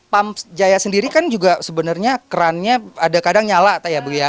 pams jaya sendiri kan juga sebenarnya kerannya ada kadang nyala ya bu ya